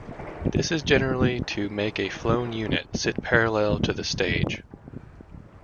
This is generally to make a flown unit sit parallel to the stage.